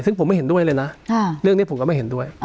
ซึ่งผมไม่เห็นด้วยเลยนะเรื่องนี้ผมก็ไม่เห็นด้วย